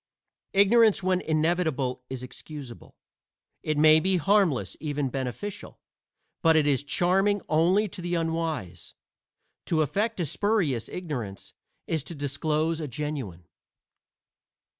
Ignorance when inevitable is excusable. It may be harmless, even beneficial; but it is charming only to the unwise. To affect a spurious ignorance is to disclose a genuine.